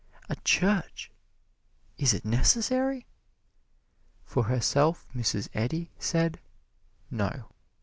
A Church! Is it necessary? For herself Mrs. Eddy said, No.